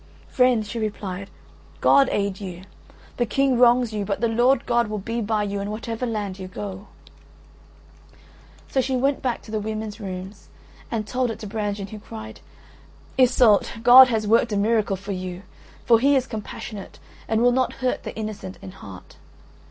"Friend," she replied, "God aid you! The King wrongs you but the Lord God will be by you in whatever land you go." So she went back to the women's rooms and told it to Brangien, who cried: "Iseult, God has worked a miracle for you, for He is compassionate and will not hurt the innocent in heart."